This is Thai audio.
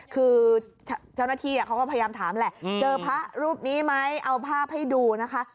คือเจ้าหน้าที่เขาก็พยายามถามแหละเจอพระรูปนี้ไหมเอาภาพให้ดูนะคะ